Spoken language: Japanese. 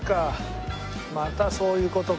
またそういう事か。